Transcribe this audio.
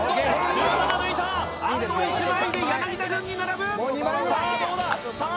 １７抜いたあと１枚で柳田軍に並ぶさあどうださあ